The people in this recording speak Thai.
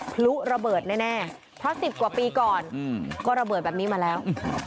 พลุระเบิดแน่เพราะ๑๐กว่าปีก่อนก็ระเบิดแบบนี้มาแล้ว